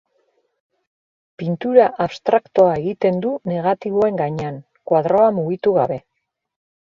Pintura abstraktoa egiten du negatiboen gainean, koadroa mugitu gabe.